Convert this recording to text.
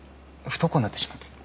不登校になってしまって。